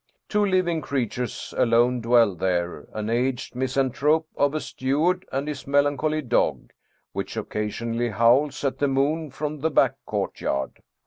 Two living creatures alone dwell there, an aged misanthrope of a steward and his melancholy dog, which occasionally howls at the moon from the back courtyard.